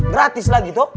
gratis lagi toh